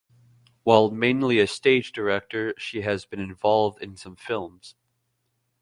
While mainly a stage director, she has been involved in some films.